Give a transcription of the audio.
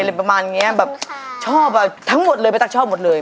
อะไรประมาณอย่างนี้แบบชอบอะทั้งหมดเลยปะตั๊กชอบหมดเลย